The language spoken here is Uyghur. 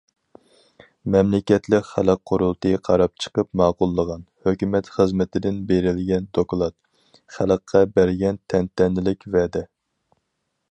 مەملىكەتلىك خەلق قۇرۇلتىيى قاراپ چىقىپ ماقۇللىغان« ھۆكۈمەت خىزمىتىدىن بېرىلگەن دوكلات»- خەلققە بەرگەن تەنتەنىلىك ۋەدە.